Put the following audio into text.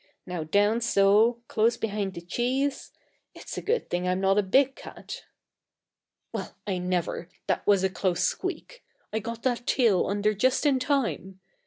Now down so: close behind the cheese. It's a good thing I'm not a big cat. Well, I never! That was a close squeak I got that tail under just in time!